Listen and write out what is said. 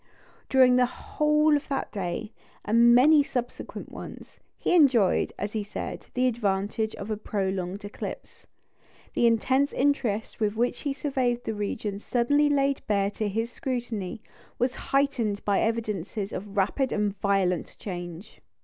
During the whole of that day and many subsequent ones, he enjoyed, as he said, the advantage of a prolonged eclipse. The intense interest with which he surveyed the region suddenly laid bare to his scrutiny was heightened by evidences of rapid and violent change.